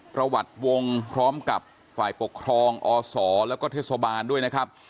ประวัติวงพร้อมกับฝ่ายปกครองอศแล้วก็เทศบาลด้วยนะครับ